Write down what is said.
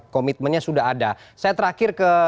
komitmennya sudah ada saya terakhir ke